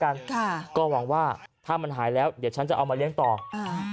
กันค่ะก็หวังว่าถ้ามันหายแล้วเดี๋ยวฉันจะเอามาเลี้ยงต่ออ่า